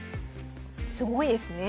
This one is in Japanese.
すごいですね。